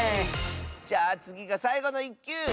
じゃあつぎがさいごの１きゅう！